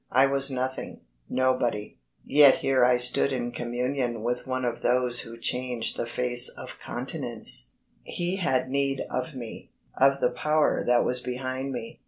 I was nothing, nobody; yet here I stood in communion with one of those who change the face of continents. He had need of me, of the power that was behind me.